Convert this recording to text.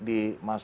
di masa kemarau